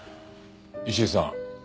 石井さん